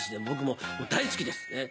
僕も大好きです。